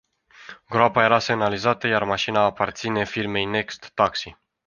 Groapa era semnalizată, iar mașina aparține firmei Next Taxi.